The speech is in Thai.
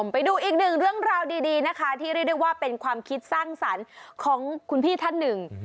ไปดูอีกหนึ่งเรื่องราวดีนะคะที่เรียกได้ว่าเป็นความคิดสร้างสรรค์ของคุณพี่ท่านหนึ่ง